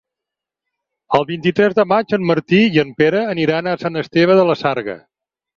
El vint-i-tres de maig en Martí i en Pere aniran a Sant Esteve de la Sarga.